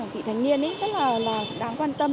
vị thần niên ấy rất là đáng quan tâm